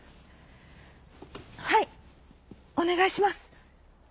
「はいおねがいします」。